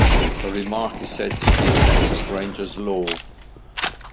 The remark is said to be Texas Rangers lore.